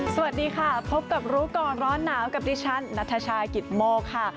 สวัสดีค่ะพบกับรู้ก่อนร้อนหนาวกับดิฉันนัทชายกิตโมกค่ะ